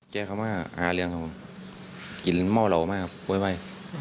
แก่คำว่าอาเรียงครับผมกลิ่นม่อเหล่ามากครับโว้ยไว้